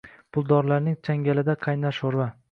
Puldorlarning changalida qaynar shoʼrva.